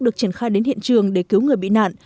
được triển khai đến hiện trường để cứu người bị nạn